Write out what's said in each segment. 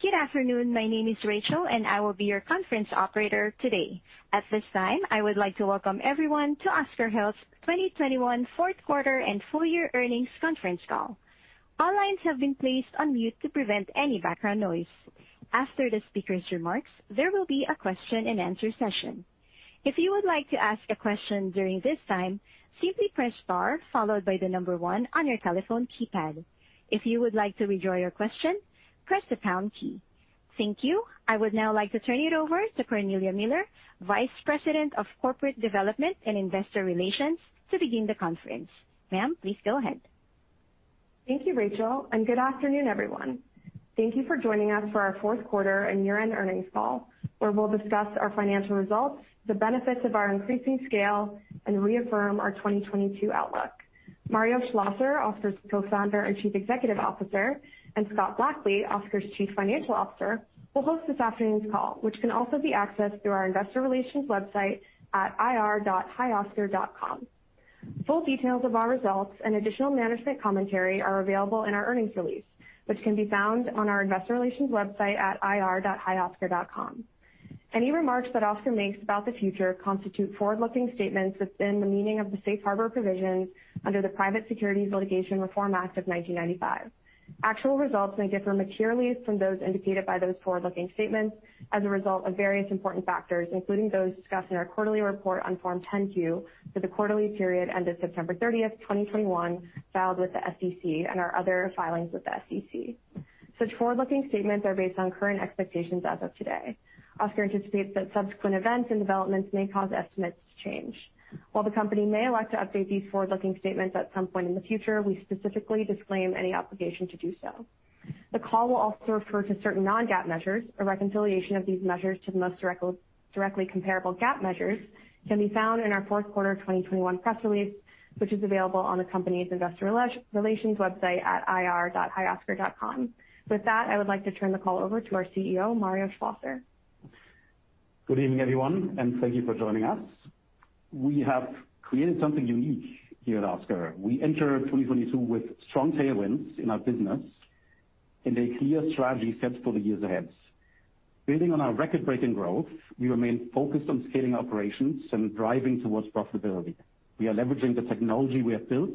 Good afternoon. My name is Rachel, and I will be your conference operator today. At this time, I would like to welcome everyone to Oscar Health's 2021 fourth quarter and full year earnings conference call. All lines have been placed on mute to prevent any background noise. After the speaker's remarks, there will be a question-and-answer session. If you would like to ask a question during this time, simply press Star followed by the number one on your telephone keypad. If you would like to withdraw your question, press the pound key. Thank you. I would now like to turn it over to Cornelia Miller, Vice President of Corporate Development and Investor Relations, to begin the conference. Ma'am, please go ahead. Thank you, Rachel, and good afternoon, everyone. Thank you for joining us for our fourth quarter and year-end earnings call, where we'll discuss our financial results, the benefits of our increasing scale, and reaffirm our 2022 outlook. Mario Schlosser, Oscar's Co-Founder and Chief Executive Officer, and Scott Blackley, Oscar's Chief Financial Officer, will host this afternoon's call, which can also be accessed through our investor relations website at ir.hioscar.com. Full details of our results and additional management commentary are available in our earnings release, which can be found on our investor relations website at ir.hioscar.com. Any remarks that Oscar makes about the future constitute forward-looking statements within the meaning of the Safe Harbor provisions under the Private Securities Litigation Reform Act of 1995. Actual results may differ materially from those indicated by those forward-looking statements as a result of various important factors, including those discussed in our quarterly report on Form 10-Q for the quarterly period ended September 30th, 2021, filed with the SEC, and our other filings with the SEC. Such forward-looking statements are based on current expectations as of today. Oscar anticipates that subsequent events and developments may cause estimates to change. While the company may elect to update these forward-looking statements at some point in the future, we specifically disclaim any obligation to do so. The call will also refer to certain non-GAAP measures. A reconciliation of these measures to the most directly comparable GAAP measures can be found in our fourth quarter of 2021 press release, which is available on the company's investor relations website at ir.hioscar.com. With that, I would like to turn the call over to our CEO, Mario Schlosser. Good evening, everyone, and thank you for joining us. We have created something unique here at Oscar. We enter 2022 with strong tailwinds in our business and a clear strategy set for the years ahead. Building on our record-breaking growth, we remain focused on scaling operations and driving towards profitability. We are leveraging the technology we have built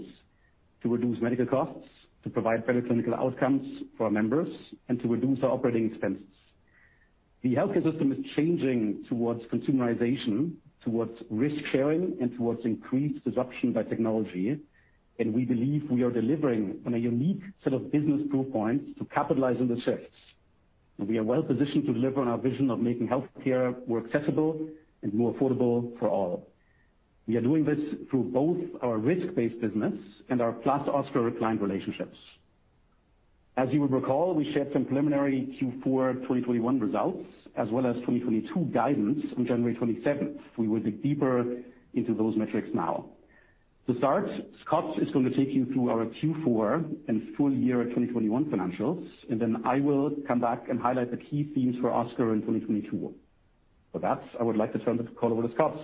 to reduce medical costs, to provide better clinical outcomes for our members, and to reduce our operating expenses. The healthcare system is changing towards consumerization, towards risk-sharing, and towards increased disruption by technology, and we believe we are delivering on a unique set of business proof points to capitalize on the shifts. We are well-positioned to deliver on our vision of making healthcare more accessible and more affordable for all. We are doing this through both our risk-based business and our +Oscar client relationships. As you would recall, we shared some preliminary Q4 2021 results as well as 2022 guidance on January 27th. We will dig deeper into those metrics now. To start, Scott is going to take you through our Q4 and full year 2021 financials, and then I will come back and highlight the key themes for Oscar in 2022. For that, I would like to turn the call over to Scott.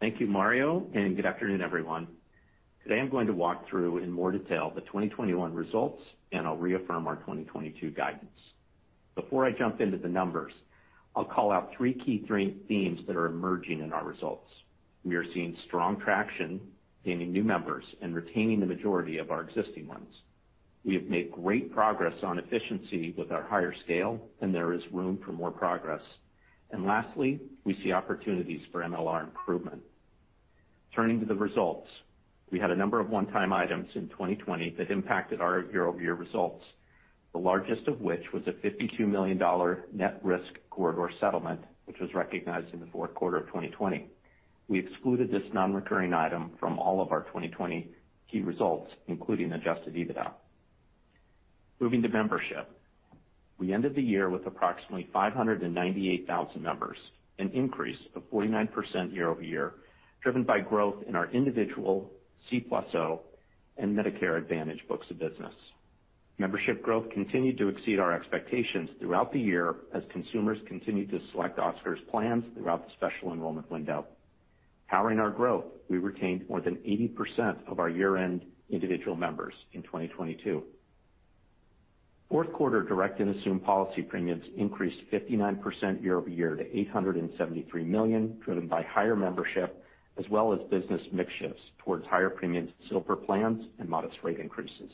Thank you, Mario, and good afternoon, everyone. Today, I'm going to walk through in more detail the 2021 results, and I'll reaffirm our 2022 guidance. Before I jump into the numbers, I'll call out three key themes that are emerging in our results. We are seeing strong traction gaining new members and retaining the majority of our existing ones. We have made great progress on efficiency with our higher scale, and there is room for more progress. Lastly, we see opportunities for MLR improvement. Turning to the results. We had a number of one-time items in 2020 that impacted our year-over-year results, the largest of which was a $52 million net risk corridor settlement, which was recognized in the fourth quarter of 2020. We excluded this non-recurring item from all of our 2020 key results, including adjusted EBITDA. Moving to membership. We ended the year with approximately 598,000 members, an increase of 49% year-over-year, driven by growth in our individual, C+O, and Medicare Advantage books of business. Membership growth continued to exceed our expectations throughout the year as consumers continued to select Oscar's plans throughout the special enrollment window. Powering our growth, we retained more than 80% of our year-end individual members in 2022. Fourth quarter direct and assumed policy premiums increased 59% year-over-year to $873 million, driven by higher membership as well as business mix shifts towards higher premiums, Silver plans, and modest rate increases.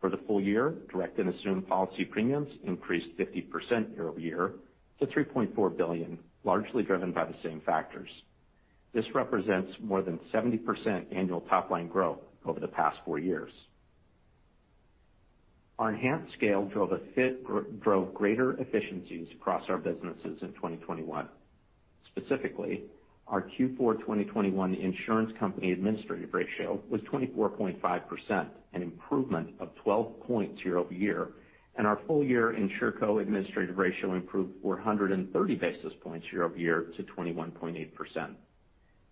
For the full year, direct and assumed policy premiums increased 50% year-over-year to $3.4 billion, largely driven by the same factors. This represents more than 70% annual top-line growth over the past four years. Our enhanced scale drove greater efficiencies across our businesses in 2021. Specifically, our Q4 2021 InsuranceCo Administrative Expense Ratio was 24.5%, an improvement of 12 points year-over-year, and our full-year InsuranceCo Administrative Expense Ratio improved 430 basis points year-over-year to 21.8%.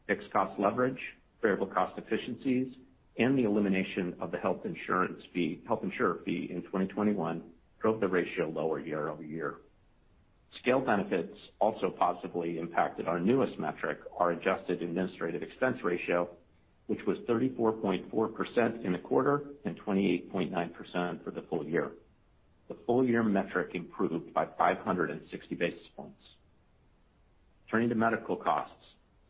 Fixed cost leverage, variable cost efficiencies, and the elimination of the health insurer fee in 2021 drove the ratio lower year-over-year. Scale benefits also positively impacted our newest metric, our Adjusted Administrative Expense Ratio, which was 34.4% in the quarter and 28.9% for the full year. The full year metric improved by 560 basis points. Turning to medical costs.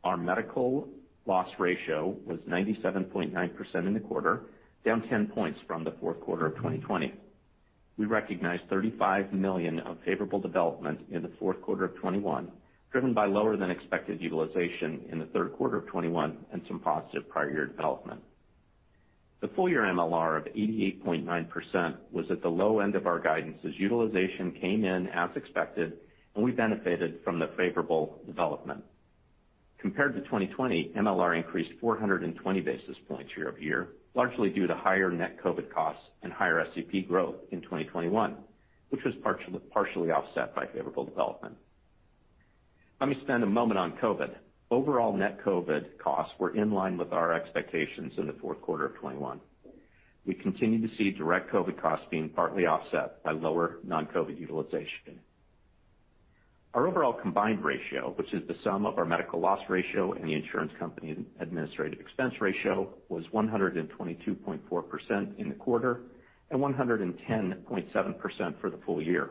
Our Medical Loss Ratio was 97.9% in the quarter, down 10 points from the fourth quarter of 2020. We recognized $35 million of favorable development in the fourth quarter of 2021, driven by lower than expected utilization in the third quarter of 2021 and some positive prior year development. The full year MLR of 88.9% was at the low end of our guidance as utilization came in as expected, and we benefited from the favorable development. Compared to 2020, MLR increased 420 basis points year-over-year, largely due to higher net COVID costs and higher SEP growth in 2021, which was partially offset by favorable development. Let me spend a moment on COVID. Overall net COVID costs were in line with our expectations in the fourth quarter of 2021. We continue to see direct COVID costs being partly offset by lower non-COVID utilization. Our overall combined ratio, which is the sum of our medical loss ratio and the insurance company administrative expense ratio, was 122.4% in the quarter and 110.7% for the full year.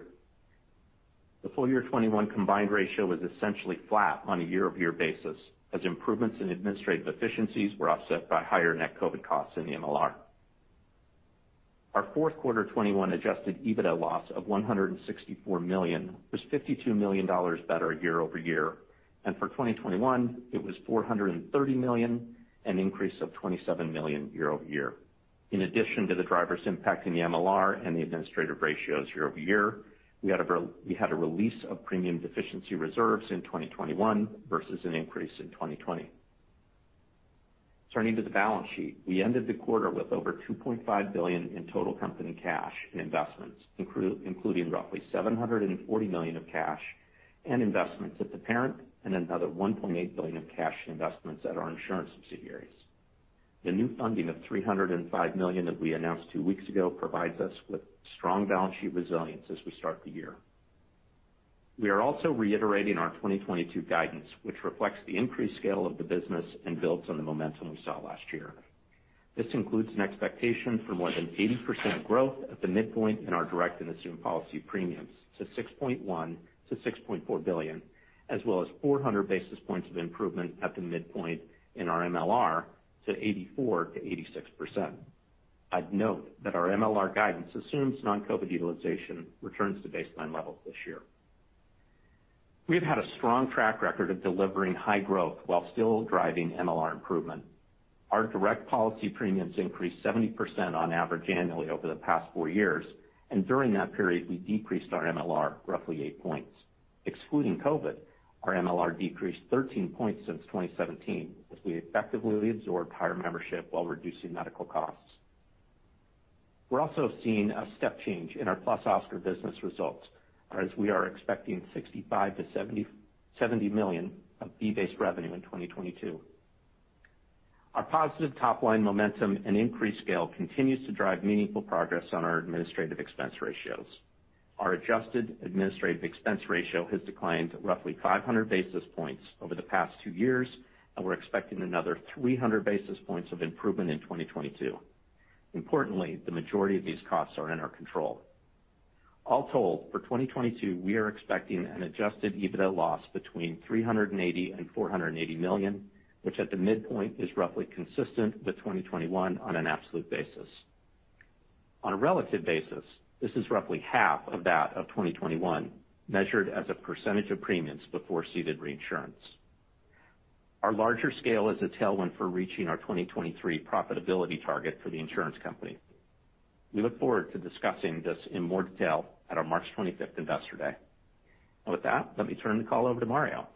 The full year 2021 combined ratio was essentially flat on a year-over-year basis as improvements in administrative efficiencies were offset by higher net COVID costs in the MLR. Our fourth quarter 2021 adjusted EBITDA loss of $164 million was $52 million better year-over-year, and for 2021 it was $430 million, an increase of $27 million year-over-year. In addition to the drivers impacting the MLR and the administrative ratios year-over-year, we had a release of premium deficiency reserves in 2021 versus an increase in 2020. Turning to the balance sheet. We ended the quarter with over $2.5 billion in total company cash and investments, including roughly $740 million of cash and investments at the parent, and another $1.8 billion of cash and investments at our insurance subsidiaries. The new funding of $305 million that we announced two weeks ago provides us with strong balance sheet resilience as we start the year. We are also reiterating our 2022 guidance, which reflects the increased scale of the business and builds on the momentum we saw last year. This includes an expectation for more than 80% growth at the midpoint in our direct and assumed policy premiums to $6.1 billion-$6.4 billion, as well as 400 basis points of improvement at the midpoint in our MLR to 84%-86%. I'd note that our MLR guidance assumes non-COVID utilization returns to baseline levels this year. We have had a strong track record of delivering high growth while still driving MLR improvement. Our direct policy premiums increased 70% on average annually over the past four years, and during that period, we decreased our MLR roughly 8 points. Excluding COVID, our MLR decreased 13 points since 2017 as we effectively absorbed higher membership while reducing medical costs. We're also seeing a step change in our +Oscar business results as we are expecting $65 million-$70 million of fee-based revenue in 2022. Our positive top-line momentum and increased scale continues to drive meaningful progress on our administrative expense ratios. Our Adjusted Administrative Expense Ratio has declined roughly 500 basis points over the past two years, and we're expecting another 300 basis points of improvement in 2022. Importantly, the majority of these costs are in our control. All told, for 2022, we are expecting an adjusted EBITDA loss between $380 million and $480 million, which at the midpoint is roughly consistent with 2021 on an absolute basis. On a relative basis, this is roughly half of that of 2021, measured as a percentage of premiums before ceded reinsurance. Our larger scale is a tailwind for reaching our 2023 profitability target for the insurance company. We look forward to discussing this in more detail at our March 25th Investor Day. With that, let me turn the call over to Mario.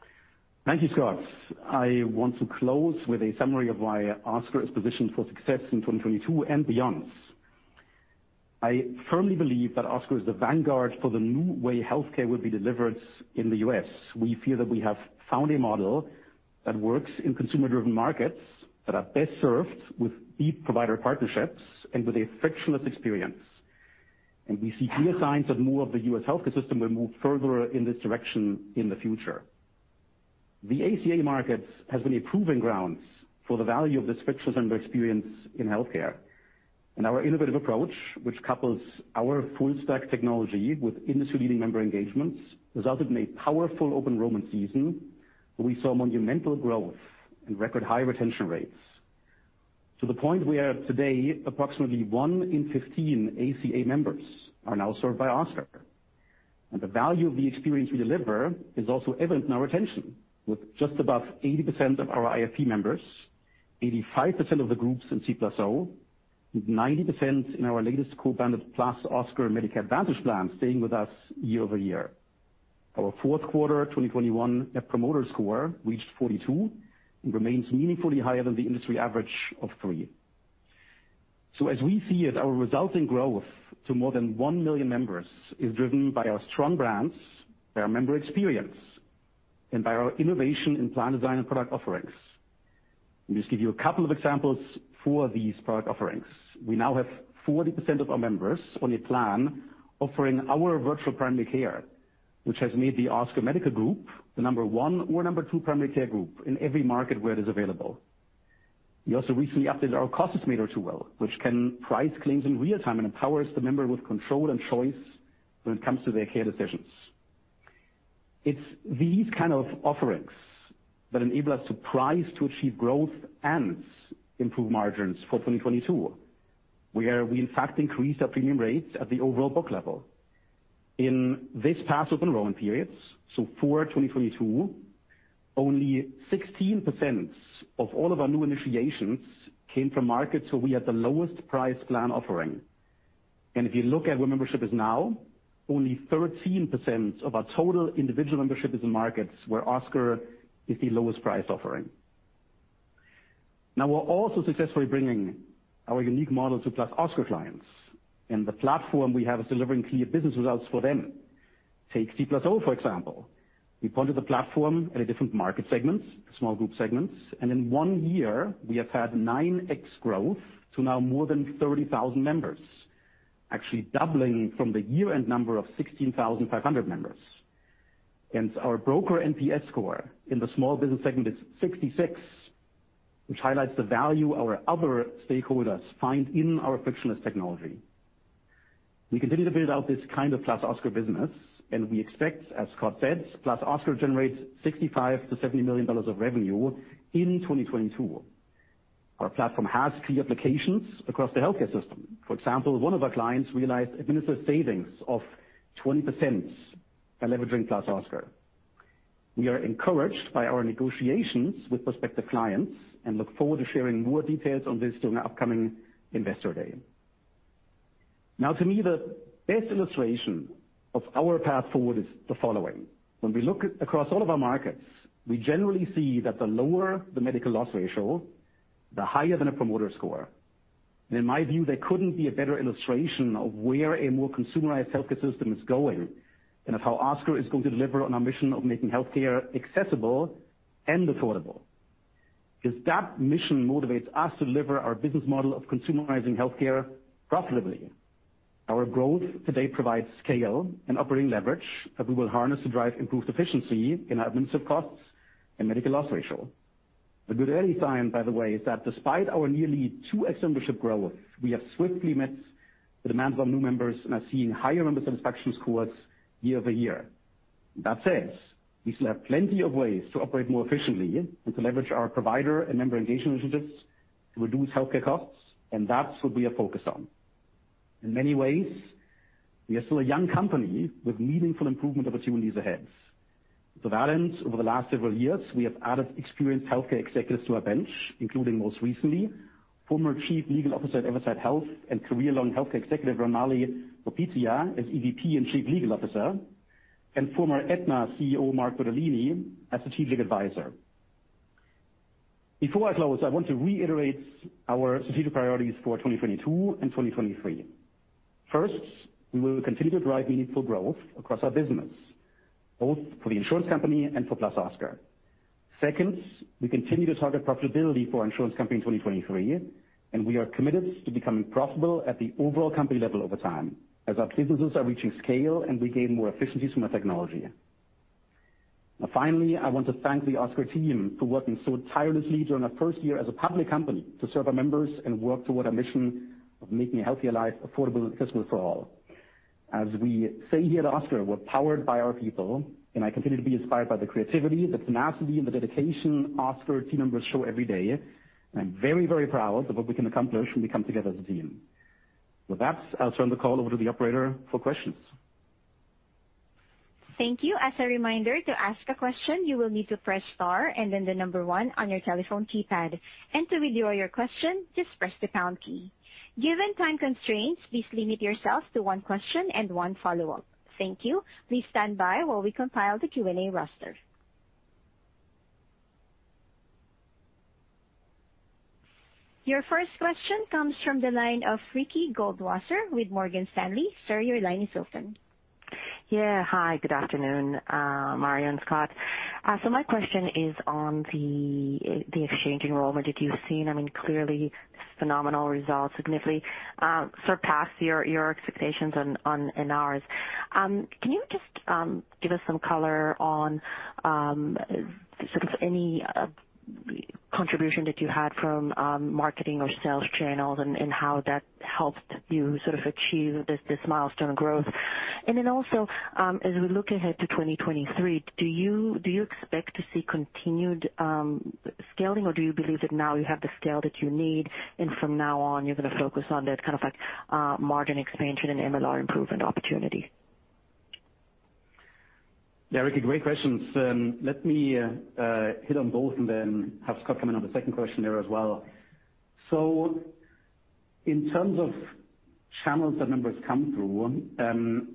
Thank you, Scott. I want to close with a summary of why Oscar is positioned for success in 2022 and beyond. I firmly believe that Oscar is the vanguard for the new way healthcare will be delivered in the U.S. We feel that we have found a model that works in consumer-driven markets that are best served with deep provider partnerships and with a frictionless experience. We see clear signs that more of the U.S. healthcare system will move further in this direction in the future. The ACA market has been a proving grounds for the value of this frictionless end-to-end experience in healthcare. Our innovative approach, which couples our full stack technology with industry-leading member engagements, resulted in a powerful open enrollment season. We saw monumental growth and record high retention rates. To the point where today, approximately 1 in 15 ACA members are now served by Oscar. The value of the experience we deliver is also evident in our retention with just above 80% of our IFP members, 85% of the groups in Cigna + Oscar, with 90% in our latest co-branded +Oscar Medicare Advantage Plan staying with us year-over-year. Our fourth quarter 2021 Net Promoter Score reached 42 and remains meaningfully higher than the industry average of three. As we see it, our resulting growth to more than one million members is driven by our strong brands, by our member experience, and by our innovation in plan design and product offerings. Let me just give you a couple of examples for these product offerings. We now have 40% of our members on a plan offering our Virtual Primary Care, which has made the Oscar Medical Group the number one or number two primary care group in every market where it is available. We also recently updated our Cost Meter tool, which can price claims in real-time and empowers the member with control and choice when it comes to their care decisions. It's these kind of offerings that enable us to price to achieve growth and improve margins for 2022, where we in fact increased our premium rates at the overall book level. In this past open enrollment periods, so for 2022, only 16% of all of our new initiations came from markets where we had the lowest price plan offering. If you look at where membership is now, only 13% of our total individual membership is in markets where Oscar is the lowest price offering. Now, we're also successfully bringing our unique model to +Oscar clients, and the platform we have is delivering clear business results for them. Take Cigna + Oscar, for example. We pointed the platform at a different market segments, small group segments, and in one year we have had 9x growth to now more than 30,000 members, actually doubling from the year-end number of 16,500 members. Our broker NPS score in the small business segment is 66, which highlights the value our other stakeholders find in our frictionless technology. We continue to build out this kind of +Oscar business, and we expect, as Scott said, +Oscar generates $65 million-$70 million of revenue in 2022. Our platform has key applications across the healthcare system. For example, one of our clients realized administrative savings of 20% by leveraging +Oscar. We are encouraged by our negotiations with prospective clients and look forward to sharing more details on this during our upcoming Investor Day. Now, to me, the best illustration of our path forward is the following. When we look across all of our markets, we generally see that the lower the Medical Loss Ratio, the higher the Net Promoter Score. In my view, there couldn't be a better illustration of where a more consumerized healthcare system is going and of how Oscar is going to deliver on our mission of making healthcare accessible and affordable. Because that mission motivates us to deliver our business model of consumerizing healthcare profitably. Our growth today provides scale and operating leverage that we will harness to drive improved efficiency in our administrative costs and Medical Loss Ratio. A good early sign, by the way, is that despite our nearly 2x membership growth, we have swiftly met the demands of new members and are seeing higher member satisfaction scores year-over-year. That said, we still have plenty of ways to operate more efficiently and to leverage our provider and member engagement initiatives to reduce healthcare costs, and that's what we are focused on. In many ways, we are still a young company with meaningful improvement opportunities ahead. To that end, over the last several years, we have added experienced healthcare executives to our bench, including most recently, former Chief Legal Officer at Everside Health and career-long healthcare executive, Ranmali Bopitiya, as EVP and Chief Legal Officer, and former Aetna CEO, Mark Bertolini, as strategic advisor. Before I close, I want to reiterate our strategic priorities for 2022 and 2023. First, we will continue to drive meaningful growth across our business, both for the insurance company and for +Oscar. Second, we continue to target profitability for our insurance company in 2023, and we are committed to becoming profitable at the overall company level over time as our businesses are reaching scale and we gain more efficiencies from our technology. Now, finally, I want to thank the Oscar team for working so tirelessly during our first year as a public company to serve our members and work toward our mission of making a healthier life affordable and accessible for all. As we say here at Oscar, we're powered by our people, and I continue to be inspired by the creativity, the tenacity, and the dedication Oscar team members show every day. I'm very, very proud of what we can accomplish when we come together as a team. With that, I'll turn the call over to the operator for questions. Thank you. As a reminder, to ask a question, you will need to press star and then the number one on your telephone keypad. To withdraw your question, just press the pound key. Given time constraints, please limit yourself to one question and one follow-up. Thank you. Please stand by while we compile the Q&A roster. Your first question comes from the line of Ricky Goldwasser with Morgan Stanley. Sir, your line is open. Yeah. Hi, good afternoon, Mario and Scott. So my question is on the exchange enrollment that you've seen. I mean, clearly phenomenal results, significantly surpassed your expectations and ours. Can you just give us some color on sort of any contribution that you had from marketing or sales channels and how that helped you sort of achieve this milestone growth? Then also, as we look ahead to 2023, do you expect to see continued scaling, or do you believe that now you have the scale that you need, and from now on you're gonna focus on that kind of like margin expansion and MLR improvement opportunity? Yeah. Ricky Goldwasser, great questions. Let me hit on both and then have Scott Blackley come in on the second question there as well. In terms of channels that members come through,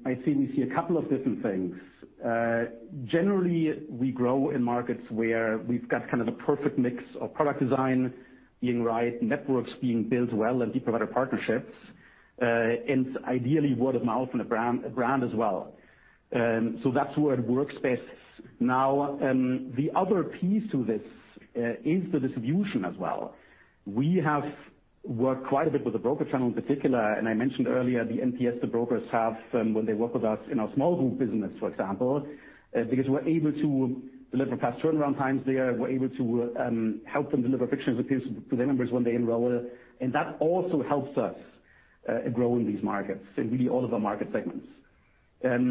I think we see a couple of different things. Generally, we grow in markets where we've got kind of the perfect mix of product design being right, networks being built well and provider partnerships, and ideally word-of-mouth and a brand as well. That's where it works best. Now, the other piece to this is the distribution as well. We have worked quite a bit with the broker channel in particular, and I mentioned earlier the NPS the brokers have when they work with us in our small group business, for example, because we're able to deliver fast turnaround times there. We're able to help them deliver frictionless appeals to their members when they enroll, and that also helps us grow in these markets, in really all of our market segments. That's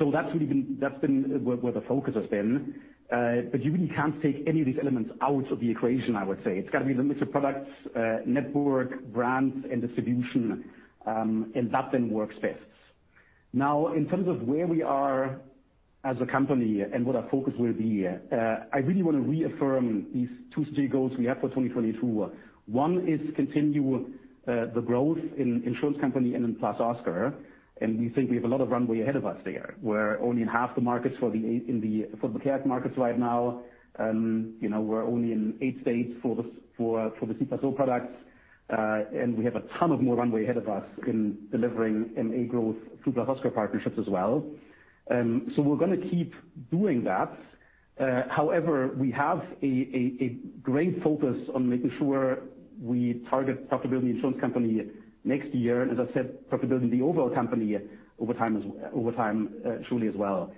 been where the focus has been. You really can't take any of these elements out of the equation, I would say. It's got to be the mix of products, network, brands, and distribution, and that then works best. Now, in terms of where we are as a company and what our focus will be, I really want to reaffirm these two strategic goals we have for 2022. One is to continue the growth in insurance company and in +Oscar, and we think we have a lot of runway ahead of us there. We're only in half the markets for the care markets right now. You know, we're only in eight states for the C+O products. We have a ton of more runway ahead of us in delivering MA growth through Plus Oscar partnerships as well. We're gonna keep doing that. However, we have a great focus on making sure we target profitability insurance company next year. As I said, profitability of the overall company over time, truly as well.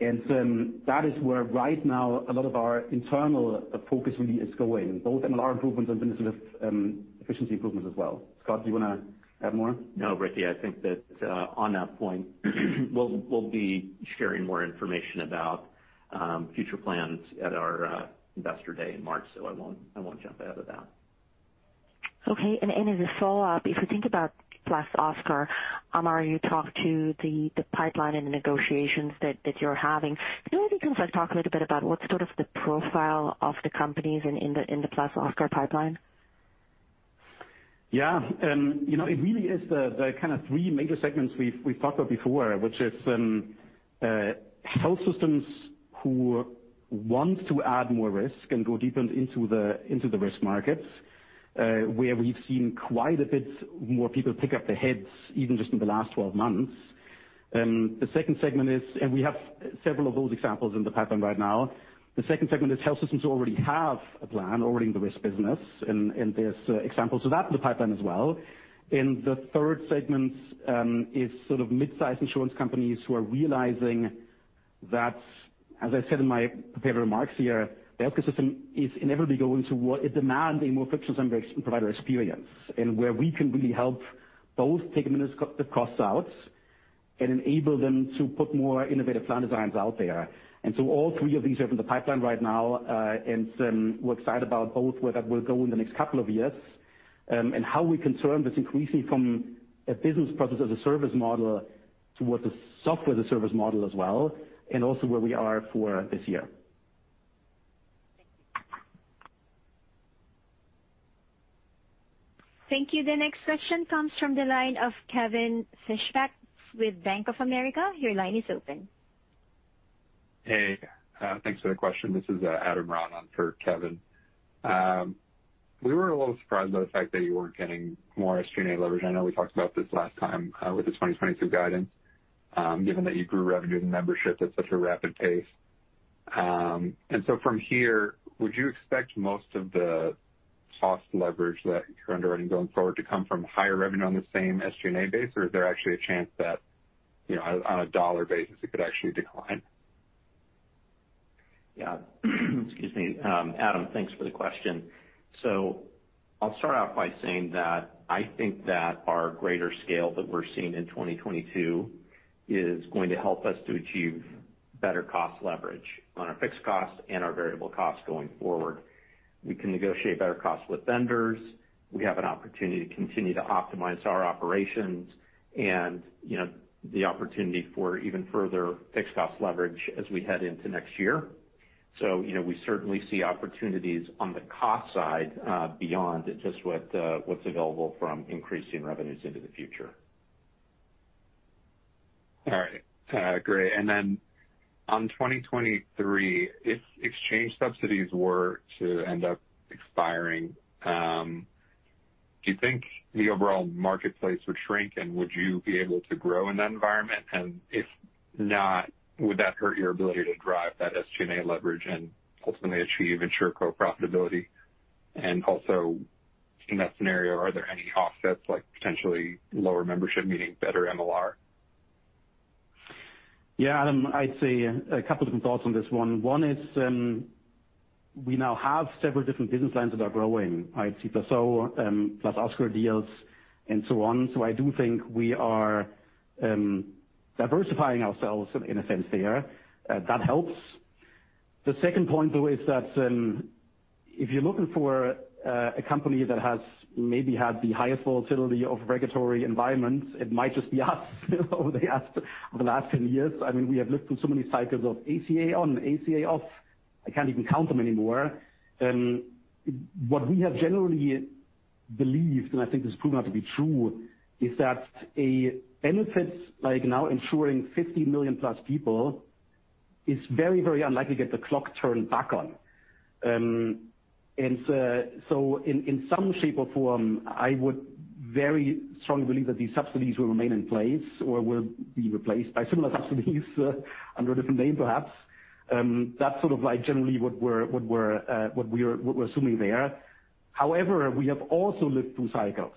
That is where right now a lot of our internal focus really is going, both MLR improvements and in the sort of efficiency improvements as well. Scott, do you wanna add more? No, Ricky, I think that on that point, we'll be sharing more information about future plans at our Investor Day in March, so I won't jump ahead of that. Okay. As a follow-up, if you think about +Oscar, Mario, you talked to the pipeline and the negotiations that you're having. Can you maybe kind of talk a little bit about what's sort of the profile of the companies in the +Oscar pipeline? Yeah. You know, it really is the kind of three major segments we've talked about before, which is health systems who want to add more risk and go deeper into the risk markets, where we've seen quite a bit more people pick up their heads even just in the last 12 months. We have several of those examples in the pipeline right now. The second segment is health systems who already have a plan in the risk business, and there's examples of that in the pipeline as well. The third segment is sort of midsize insurance companies who are realizing that, as I said in my prepared remarks here, the healthcare system is inevitably going to what is demanding more frictionless and provider experience. Where we can really help both take a minute to cut the costs out and enable them to put more innovative plan designs out there. All three of these are in the pipeline right now, and we're excited about both where that will go in the next couple of years, and how we can turn this increasingly from a business process as a service model towards a software as a service model as well, and also where we are for this year. Thank you. Thank you. The next question comes from the line of Kevin Fischbeck with Bank of America. Your line is open. Hey, thanks for the question. This is Adam Ron on for Kevin. We were a little surprised by the fact that you weren't getting more SG&A leverage. I know we talked about this last time with the 2022 guidance, given that you grew revenue and membership at such a rapid pace. From here, would you expect most of the cost leverage that you're underwriting going forward to come from higher revenue on the same SG&A base, or is there actually a chance that, you know, on a dollar basis it could actually decline? Yeah. Excuse me. Adam, thanks for the question. I'll start out by saying that I think that our greater scale that we're seeing in 2022 is going to help us to achieve better cost leverage on our fixed costs and our variable costs going forward. We can negotiate better costs with vendors. We have an opportunity to continue to optimize our operations and, you know, the opportunity for even further fixed cost leverage as we head into next year. You know, we certainly see opportunities on the cost side, beyond just what's available from increasing revenues into the future. All right. Great. Then on 2023, if exchange subsidies were to end up expiring, do you think the overall marketplace would shrink? Would you be able to grow in that environment? If not, would that hurt your ability to drive that SG&A leverage and ultimately achieve insurance profitability? Also in that scenario, are there any offsets, like potentially lower membership, meaning better MLR? Yeah, Adam, I'd say a couple different thoughts on this one. One is, we now have several different business lines that are growing, right? C + O, +Oscar deals and so on. So I do think we are diversifying ourselves in a sense there. That helps. The second point, though, is that, if you're looking for a company that has maybe had the highest volatility of regulatory environments, it might just be us over the last 10 years. I mean, we have lived through so many cycles of ACA on, ACA off, I can't even count them anymore. What we have generally believed, and I think this has proven out to be true, is that a benefit like now insuring 50 million+ people. It's very, very unlikely to get the clock turned back on. In some shape or form, I would very strongly believe that these subsidies will remain in place or will be replaced by similar subsidies under a different name, perhaps. That's sort of like generally what we're assuming there. However, we have also lived through cycles,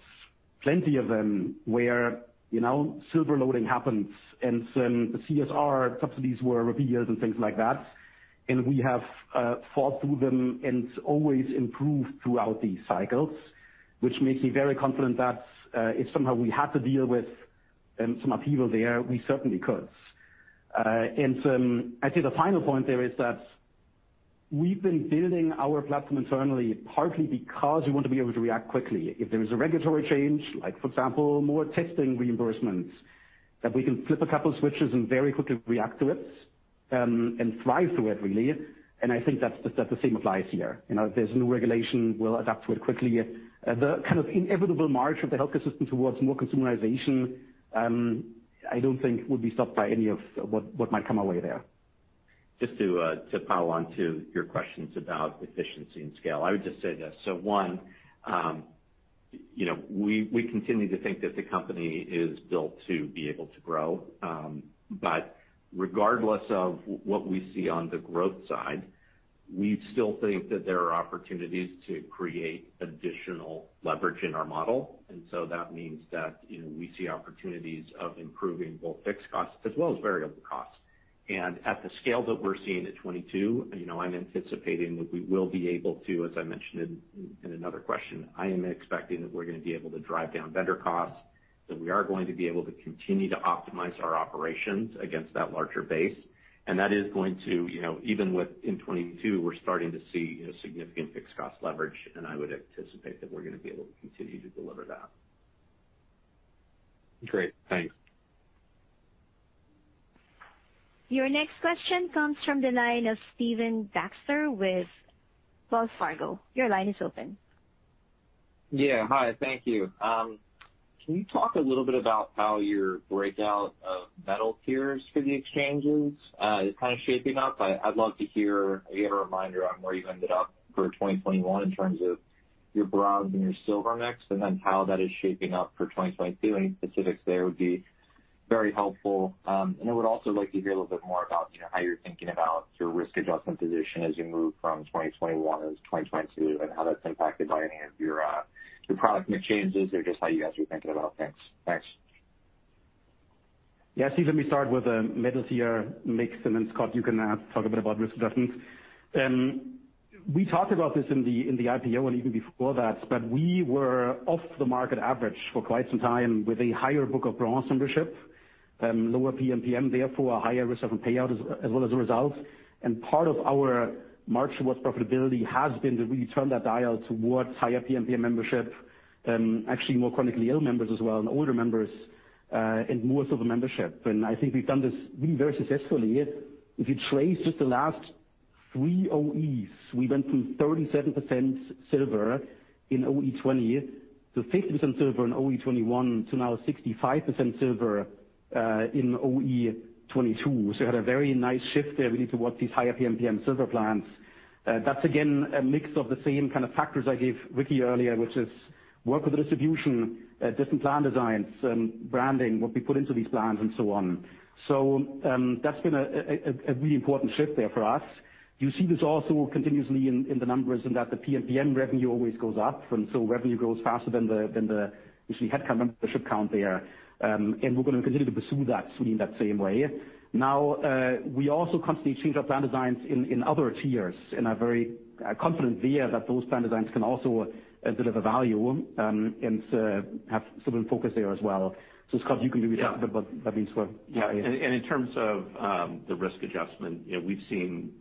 plenty of them, where, you know, silver loading happens and some CSR subsidies were repealed and things like that. We have fought through them and always improved throughout these cycles, which makes me very confident that, if somehow we had to deal with some upheaval there, we certainly could. I'd say the final point there is that we've been building our platform internally, partly because we want to be able to react quickly. If there is a regulatory change, like for example, more testing reimbursements, that we can flip a couple switches and very quickly react to it, and thrive through it, really. I think that the same applies here. You know, if there's a new regulation, we'll adapt to it quickly. The kind of inevitable march of the healthcare system towards more consumerization, I don't think will be stopped by any of what might come our way there. Just to pile on to your questions about efficiency and scale. I would just say this: one, you know, we continue to think that the company is built to be able to grow. Regardless of what we see on the growth side, we still think that there are opportunities to create additional leverage in our model. That means that, you know, we see opportunities of improving both fixed costs as well as variable costs. At the scale that we're seeing at 2022, you know, I'm anticipating that we will be able to, as I mentioned in another question, I am expecting that we're gonna be able to drive down vendor costs, that we are going to be able to continue to optimize our operations against that larger base. That is going to, you know, even within 2022, we're starting to see significant fixed cost leverage, and I would anticipate that we're gonna be able to continue to deliver that. Great. Thanks. Your next question comes from the line of Stephen Baxter with Wells Fargo. Your line is open. Yeah. Hi, thank you. Can you talk a little bit about how your breakout of metal tiers for the exchanges is kind of shaping up? I'd love to hear you give a reminder on where you ended up for 2021 in terms of your bronze and your silver mix, and then how that is shaping up for 2022. Any specifics there would be very helpful. I would also like to hear a little bit more about, you know, how you're thinking about your risk adjustment position as you move from 2021 into 2022, and how that's impacted by any of your product mix changes or just how you guys are thinking about things. Thanks. Yeah. Steve, let me start with the metal tier mix, and then, Scott, you can talk a bit about risk adjustments. We talked about this in the IPO and even before that, but we were off the market average for quite some time with a higher book of bronze membership, lower PMPM, therefore a higher risk of a payout as well as a result. Part of our march towards profitability has been that we turn that dial towards higher PMPM membership, actually more chronically ill members as well, and older members, and more silver membership. I think we've done this really very successfully. If you trace just the last three OEs, we went from 37% silver in OE 2020 to 50% silver in OE 2021 to now 65% silver in OE 2022. We had a very nice shift there really towards these higher PMPM silver plans. That's again, a mix of the same kind of factors I gave Ricky earlier, which is work with the distribution, different plan designs, branding, what we put into these plans and so on. That's been a really important shift there for us. You see this also continuously in the numbers and that the PMPM revenue always goes up, and so revenue grows faster than the actually head count, membership count there. We're gonna continue to pursue that swing that same way. Now, we also constantly change our plan designs in other tiers, and are very confident there that those plan designs can also deliver value, and have certain focus there as well. Scott, you can maybe talk a bit about these as well. Yeah. In terms of the risk adjustment, you know, we've seen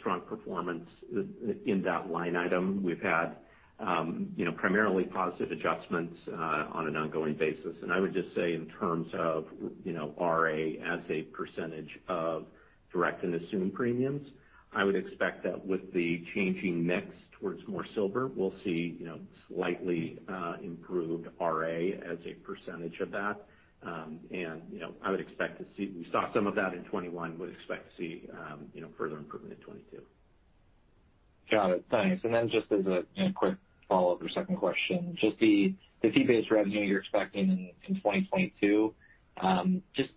strong performance in that line item. We've had you know, primarily positive adjustments on an ongoing basis. I would just say in terms of you know, RA as a percentage of direct and assumed premiums, I would expect that with the changing mix towards more Silver, we'll see you know, slightly improved RA as a percentage of that. I would expect to see. We saw some of that in 2021, would expect to see further improvement in 2022. Got it. Thanks. Just as a, you know, quick follow-up or second question, just the fee-based revenue you're expecting in 2022,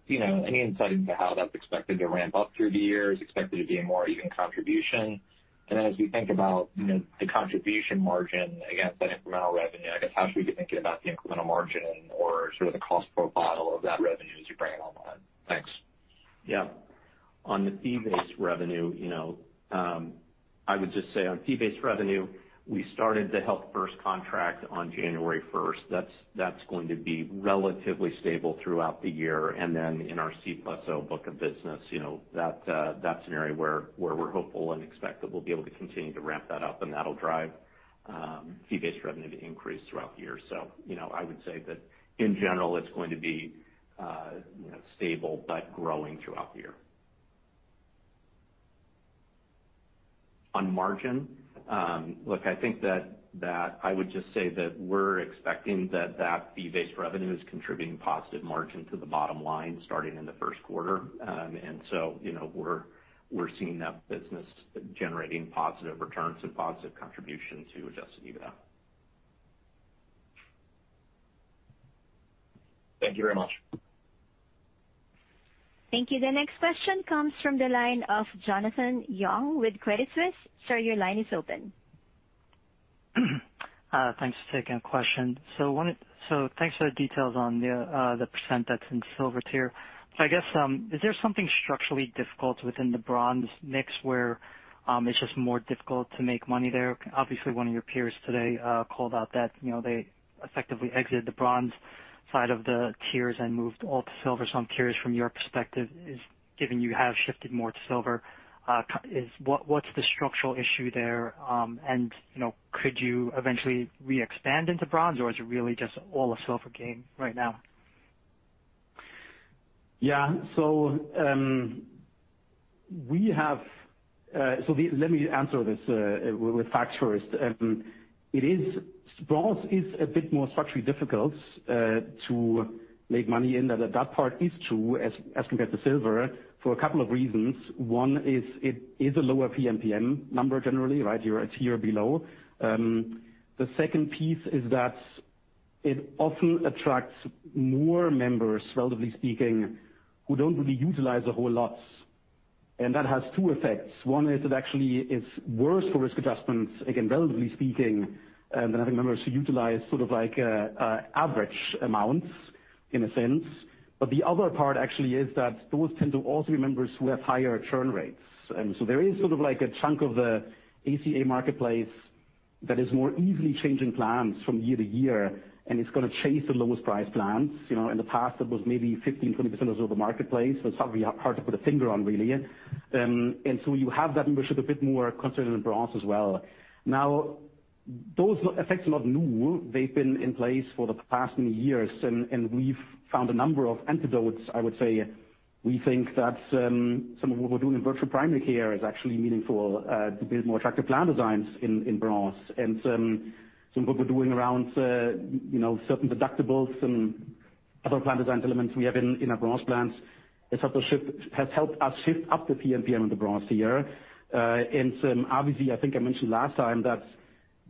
you know, any insight into how that's expected to ramp up through the year? Is expected to be a more even contribution? As we think about, you know, the contribution margin against that incremental revenue, I guess, how should we be thinking about the incremental margin or sort of the cost profile of that revenue as you bring it online? Thanks. Yeah. On the fee-based revenue, you know, I would just say on fee-based revenue, we started the Health First contract on January first. That's going to be relatively stable throughout the year. Then in our Cigna + Oscar book of business, you know, that's an area where we're hopeful and expect that we'll be able to continue to ramp that up, and that'll drive fee-based revenue to increase throughout the year. You know, I would say that in general, it's going to be, you know, stable but growing throughout the year. On margin, look, I think that I would just say that we're expecting that fee-based revenue is contributing positive margin to the bottom line starting in the first quarter. You know, we're seeing that business generating positive returns and positive contribution to adjusted EBITDA. Thank you very much. Thank you. The next question comes from the line of Jonathan Yong with Credit Suisse. Sir, your line is open. Thanks for taking a question. Thanks for the details on the percent that's in silver tier. I guess, is there something structurally difficult within the bronze mix where it's just more difficult to make money there? Obviously, one of your peers today called out that, you know, they effectively exited the bronze side of the tiers and moved all to silver. I'm curious from your perspective, given you have shifted more to silver, what is the structural issue there? You know, could you eventually re-expand into bronze, or is it really just all a silver game right now? Yeah. Let me answer this with facts first. Bronze is a bit more structurally difficult to make money in. That part is true as compared to Silver for a couple of reasons. One is it is a lower PMPM number generally, right? You're a tier below. The second piece is that it often attracts more members, relatively speaking, who don't really utilize a whole lot, and that has two effects. One is it actually is worse for risk adjustments, again, relatively speaking, than having members who utilize sort of like average amounts in a sense. The other part actually is that those tend to also be members who have higher churn rates. There is sort of like a chunk of the ACA marketplace that is more easily changing plans from year to year, and it's gonna chase the lowest priced plans. You know, in the past, that was maybe 15%-20% of the marketplace. It's hard to put a finger on, really. You have that membership a bit more concentrated in bronze as well. Now, those effects are not new. They've been in place for the past many years, and we've found a number of antidotes, I would say. We think that some of what we're doing in Virtual Primary Care is actually meaningful to build more attractive plan designs in bronze. Some of what we're doing around certain deductibles and other plan design elements we have in our bronze plans has helped us shift up the PMPM of the bronze tier. Obviously, I think I mentioned last time that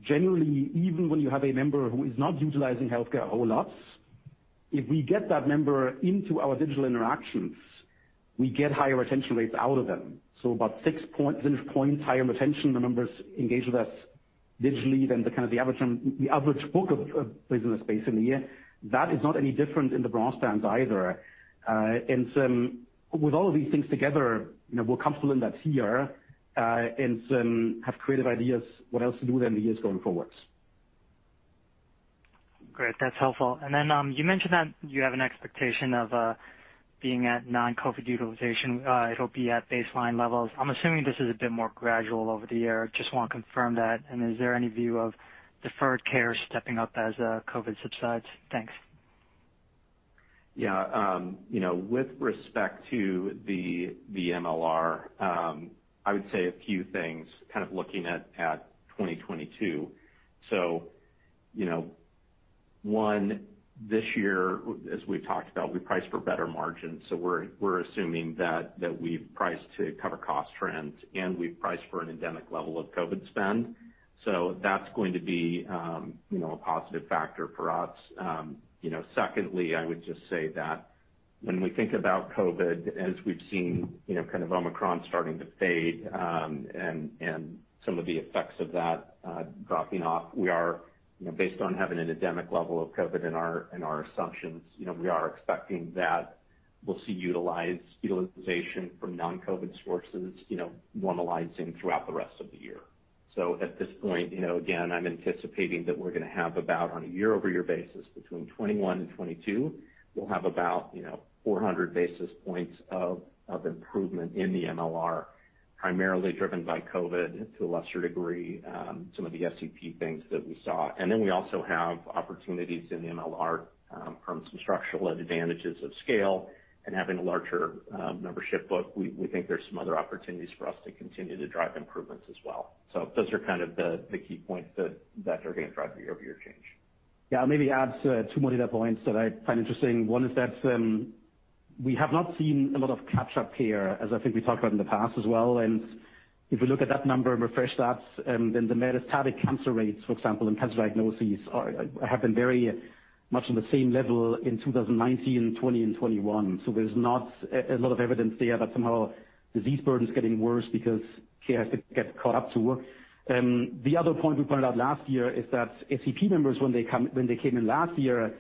generally, even when you have a member who is not utilizing healthcare a whole lot, if we get that member into our digital interactions, we get higher retention rates out of them. About 6 percentage points higher retention the members engage with us digitally than the kind of the average book of business base in a year. That is not any different in the bronze plans either. With all of these things together, you know, we're comfortable in that tier and have creative ideas what else to do there in the years going forwards. Great. That's helpful. Then, you mentioned that you have an expectation of being at non-COVID utilization. It'll be at baseline levels. I'm assuming this is a bit more gradual over the year. Just wanna confirm that. Is there any view of deferred care stepping up as COVID subsides? Thanks. Yeah. You know, with respect to the MLR, I would say a few things kind of looking at 2022. One, this year, as we've talked about, we priced for better margins. We're assuming that we've priced to cover cost trends, and we've priced for an endemic level of COVID spend. That's going to be a positive factor for us. Secondly, I would just say that when we think about COVID, as we've seen, you know, kind of Omicron starting to fade, and some of the effects of that dropping off, we are based on having an endemic level of COVID in our assumptions, you know, we are expecting that we'll see utilization from non-COVID sources normalizing throughout the rest of the year. At this point, you know, again, I'm anticipating that we're gonna have about, on a year-over-year basis between 2021 and 2022, we'll have about, you know, 400 basis points of improvement in the MLR, primarily driven by COVID to a lesser degree, some of the SEP things that we saw. Then we also have opportunities in the MLR from some structural advantages of scale and having a larger membership book. We think there's some other opportunities for us to continue to drive improvements as well. Those are kind of the key points that are gonna drive the year-over-year change. Yeah. I'll maybe add two more data points that I find interesting. One is that we have not seen a lot of catch-up care, as I think we talked about in the past as well. If we look at that number and refresh that, then the metastatic cancer rates, for example, and cancer diagnoses have been very much on the same level in 2019, 2020, and 2021. There's not a lot of evidence there that somehow disease burden's getting worse because care has to get caught up to. The other point we pointed out last year is that SEP members, when they came in last year,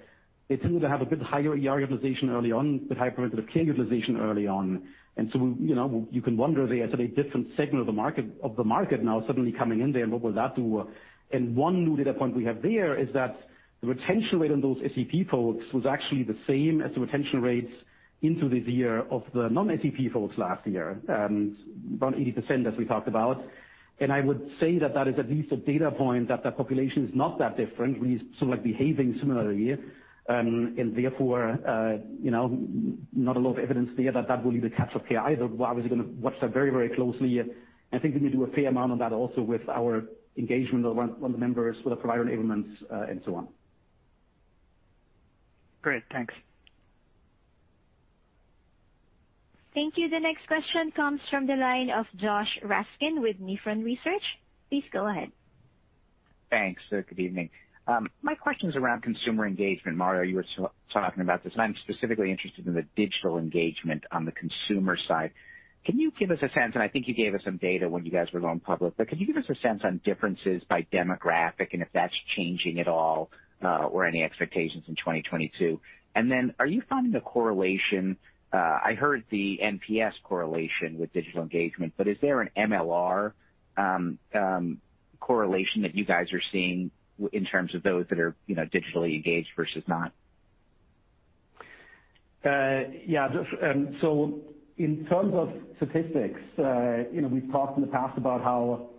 they tended to have a bit higher ER utilization early on, bit higher preventative care utilization early on. You know, you can wonder if they are sort of a different segment of the market, of the market now suddenly coming in there, and what will that do? One new data point we have there is that the retention rate on those SEP folks was actually the same as the retention rates into this year of the non-SEP folks last year, about 80% as we talked about. I would say that is at least a data point that the population is not that different. Like, behaving similarly, and therefore, you know, not a lot of evidence there that will be the catch-up care either. Obviously gonna watch that very, very closely. I think we can do a fair amount on that also with our engagement on the members, with the provider enablements, and so on. Great. Thanks. Thank you. The next question comes from the line of Josh Raskin with Nephron Research. Please go ahead. Thanks. Good evening. My question is around consumer engagement. Mario, you were talking about this, and I'm specifically interested in the digital engagement on the consumer side. Can you give us a sense, and I think you gave us some data when you guys were going public, but can you give us a sense on differences by demographic and if that's changing at all, or any expectations in 2022? Are you finding a correlation? I heard the NPS correlation with digital engagement, but is there an MLR correlation that you guys are seeing in terms of those that are, you know, digitally engaged versus not? Yeah. Just so in terms of statistics, you know, we've talked in the past about how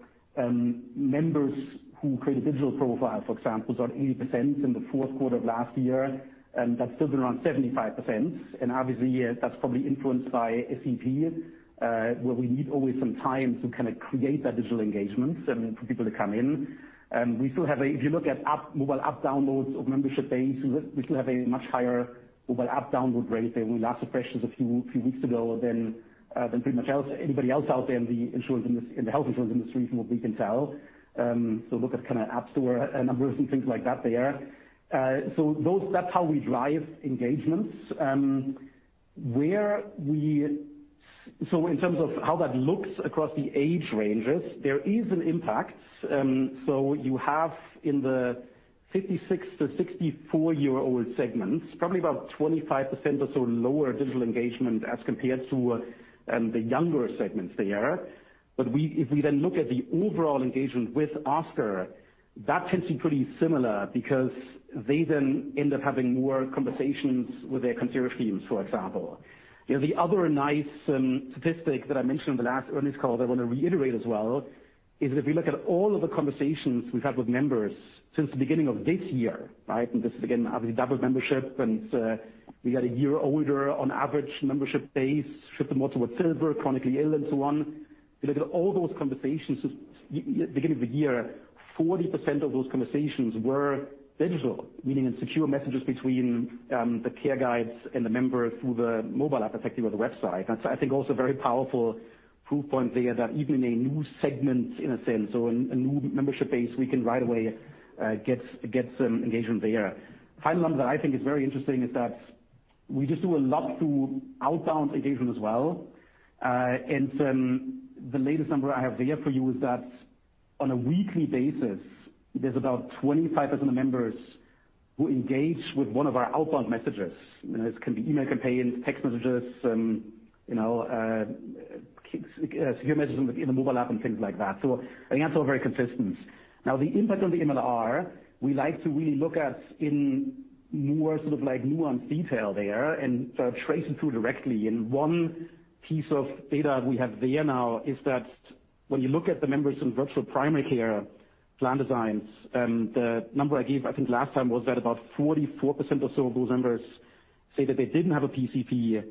members who create a digital profile, for example, got 80% in the fourth quarter of last year, and that's still been around 75%. Obviously, yeah, that's probably influenced by SEP, where we need always some time to kind of create that digital engagement for people to come in. If you look at mobile app downloads of membership base, we still have a much higher mobile app download rate there when we last refreshed this a few weeks ago than pretty much anybody else out there in the health insurance industry from what we can tell. So look at kinda App Store numbers and things like that there. That's how we drive engagements. Where we see. In terms of how that looks across the age ranges, there is an impact. You have in the 56 to 64-year-old segments, probably about 25% or so lower digital engagement as compared to the younger segments there. If we then look at the overall engagement with Oscar, that tends to be pretty similar because they then end up having more conversations with their consumer teams, for example. You know, the other nice statistic that I mentioned in the last earnings call that I wanna reiterate as well is that if you look at all of the conversations we've had with members since the beginning of this year, right? This is, again, obviously doubled membership, and we got a year older on average membership base, shifted more toward Silver, chronically ill and so on. If you look at all those conversations—say, beginning of the year, 40% of those conversations were digital, meaning in secure messages between the care guides and the member through the mobile app effectively or the website. That's, I think, also a very powerful proof point there that even a new segment in a sense or a new membership base, we can right away get some engagement there. Final number that I think is very interesting is that we just do a lot through outbound engagement as well. The latest number I have there for you is that on a weekly basis, there's about 25,000 members who engage with one of our outbound messages. You know, this can be email campaigns, text messages, secure messages in the mobile app and things like that. I think that's all very consistent. Now, the impact on the MLR, we like to really look at in more sort of like nuanced detail there and trace it through directly. One piece of data we have there now is that when you look at the members in virtual primary care plan designs, the number I gave, I think last time, was that about 44% or so of those members say that they didn't have a PCP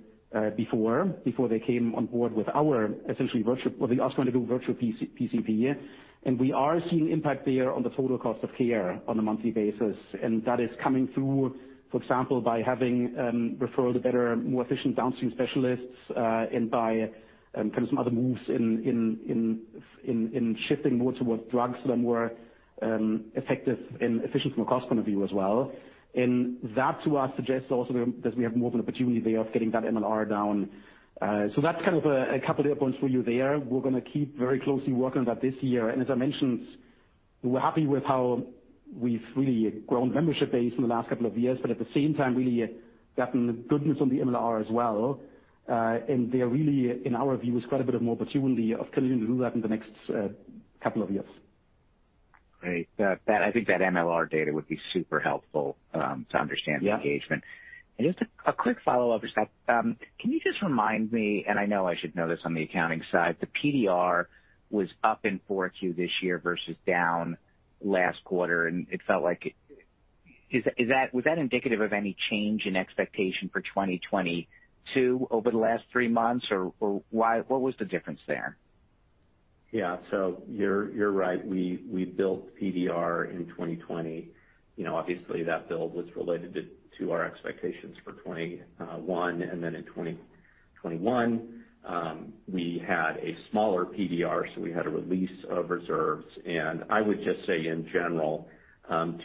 before they came on board with our essentially virtual or the Oscar virtual PCP. We are seeing impact there on the total cost of care on a monthly basis. That is coming through, for example, by having referrals to the better, more efficient downstream specialists, and by kind of some other moves in shifting more towards drugs that are more effective and efficient from a cost point of view as well. That to us suggests also that we have more of an opportunity there of getting that MLR down. That's kind of a couple data points for you there. We're gonna keep very closely working on that this year. As I mentioned, we're happy with how we've really grown membership base in the last couple of years, but at the same time really gotten goodness on the MLR as well. There really, in our view, is quite a bit of more opportunity of continuing to do that in the next couple of years. Great. I think that MLR data would be super helpful to understand. Yeah. The engagement. Just a quick follow-up. Can you just remind me, and I know I should know this on the accounting side. The PDR was up in Q4 this year versus down last quarter. Was that indicative of any change in expectation for 2022 over the last three months or why what was the difference there? Yeah. You're right. We built PDR in 2020. You know, obviously, that build was related to our expectations for 2021. In 2021, we had a smaller PDR, so we had a release of reserves. I would just say in general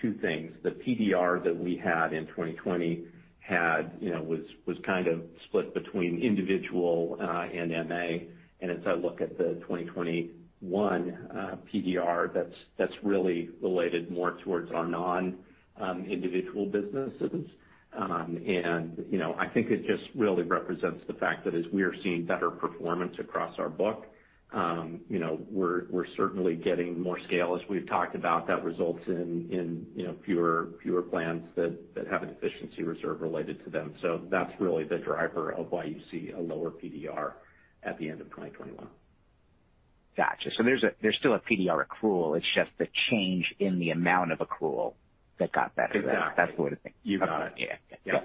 two things. The PDR that we had in 2020 was kind of split between individual and MA. As I look at the 2021 PDR, that's really related more towards our non-individual businesses. You know, I think it just really represents the fact that as we are seeing better performance across our book, you know, we're certainly getting more scale as we've talked about that results in, you know, fewer plans that have an efficiency reserve related to them. That's really the driver of why you see a lower PDR at the end of 2021. Gotcha. There's still a PDR accrual. It's just the change in the amount of accrual that got better. Exactly. That's the way to think. You got it. Yeah.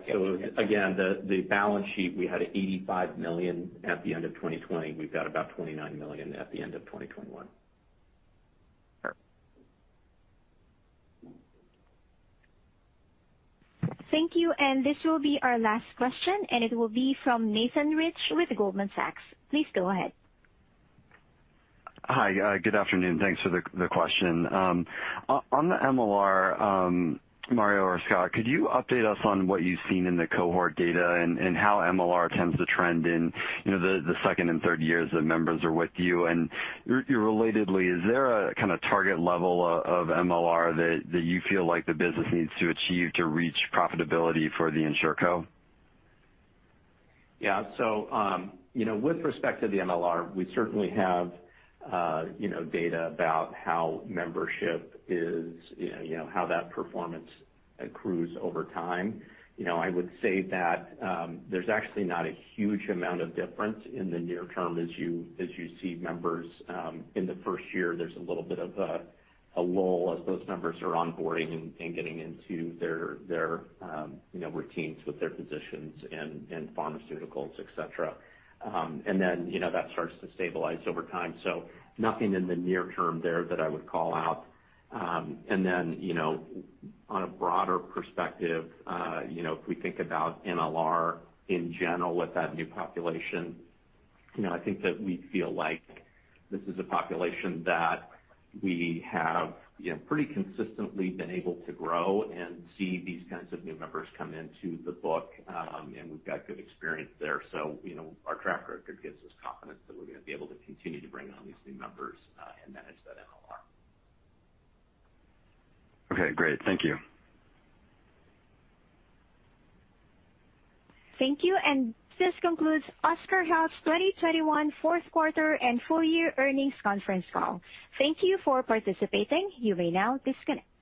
Yeah. Again, the balance sheet, we had $85 million at the end of 2020. We've got about $29 million at the end of 2021. Thank you. This will be our last question, and it will be from Nathan Rich with Goldman Sachs. Please go ahead. Hi, good afternoon. Thanks for the question. On the MLR, Mario or Scott, could you update us on what you've seen in the cohort data and how MLR tends to trend in, you know, the second and third years that members are with you? Relatedly, is there a kinda target level of MLR that you feel like the business needs to achieve to reach profitability for the InsuranceCo? Yeah, you know, with respect to the MLR, we certainly have, you know, data about how membership is, you know, how that performance accrues over time. You know, I would say that, there's actually not a huge amount of difference in the near term as you see members in the first year, there's a little bit of a lull as those members are onboarding and getting into their, you know, routines with their physicians and pharmaceuticals, et cetera. And then, you know, that starts to stabilize over time. Nothing in the near term there that I would call out. On a broader perspective, you know, if we think about MLR in general with that new population, you know, I think that we feel like this is a population that we have, you know, pretty consistently been able to grow and see these kinds of new members come into the book, and we've got good experience there. You know, our track record gives us confidence that we're gonna be able to continue to bring on these new members, and manage that MLR. Okay, great. Thank you. Thank you. This concludes Oscar Health's 2021 fourth quarter and full year earnings conference call. Thank you for participating. You may now disconnect.